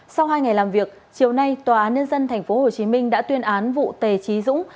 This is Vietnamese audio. sau hai ngày làm việc chiều nay tòa án nhân dân tp hcm đã tuyên án vụ tề trí dũng